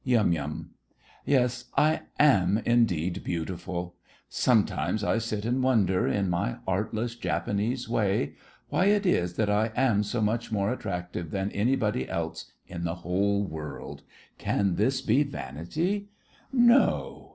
YUM. Yes, I am indeed beautiful! Sometimes I sit and wonder, in my artless Japanese way, why it is that I am so much more attractive than anybody else in the whole world. Can this be vanity? No!